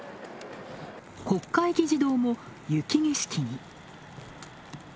国会議事堂も雪景色に。